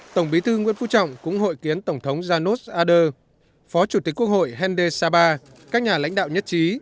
tổng bí thư nguyễn phú trọng cũng hội kiến tổng thống janos ader phó chủ tịch quốc hội hende saba các nhà lãnh đạo nhất trí